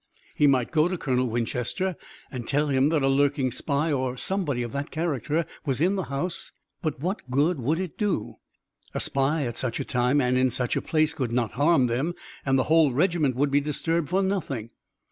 He might go to Colonel Winchester and tell him that a lurking spy or somebody of that character was in the house, but what good would it do? A spy at such a time and in such a place could not harm them, and the whole regiment would be disturbed for nothing.